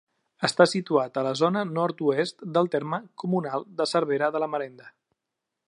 Està situat a la zona nord-oest del terme comunal de Cervera de la Marenda.